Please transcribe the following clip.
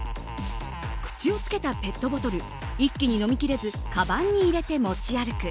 口をつけたペットボトル一気に飲みきれずかばんに入れて持ち歩く